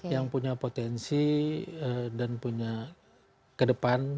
yang punya potensi dan punya ke depan